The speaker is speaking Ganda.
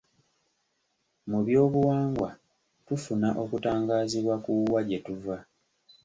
Mu byobuwangwa, tufuna okutangaazibwa ku wa gye tuva.